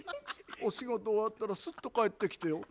お仕事終わったらすっと帰ってきてよ。